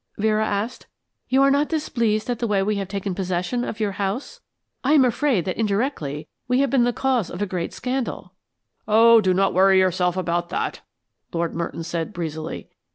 Vera asked. "You are not displeased at the way we have taken possession of your house? I am afraid that indirectly we have been the cause of a great scandal." "Oh, don't worry yourself about that," Lord Merton, said breezily.